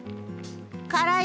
辛い